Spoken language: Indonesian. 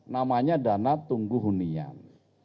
namanya dana tunggu hunian